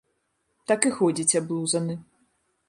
Так і ходзіць аблузаны.